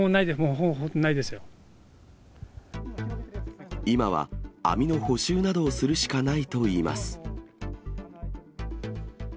ほぼ本当、今は、網の補修などをするしかないといいます。